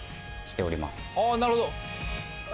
あなるほど。